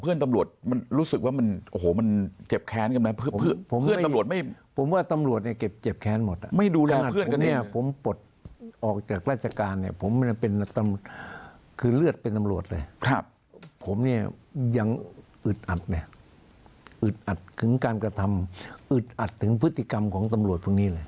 อึดอัดเนี่ยอึดอัดถึงการกระทำอึดอัดถึงพฤติกรรมของตำรวจพวกนี้เลย